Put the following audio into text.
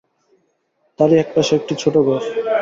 তারই একপাশে একটি ছোটো ঘর।